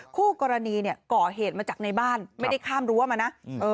คู่กรณีเนี่ยก่อเหตุมาจากในบ้านไม่ได้ข้ามรั้วมานะ